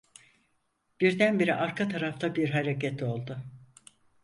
Birdenbire arka tarafta bir hareket oldu: